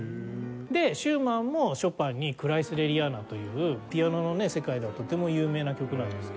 でシューマンもショパンに『クライスレリアーナ』というピアノのね世界ではとても有名な曲なんですけれど。